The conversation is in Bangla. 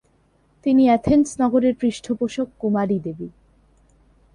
তিনি অ্যাথেন্স নগরের পৃষ্ঠপোষক কুমারী দেবী।